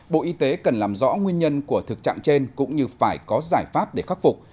bộ y tế cần làm rõ nguyên nhân của thực trạng trên cũng như phải có giải pháp để khắc phục